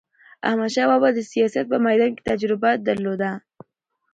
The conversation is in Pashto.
احمدشاه بابا د سیاست په میدان کې تجربه درلوده.